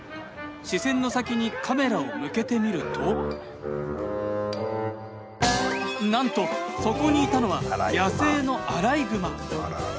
視線の先にカメラを向けてみるとなんと、そこにいたのは野生のアライグマ。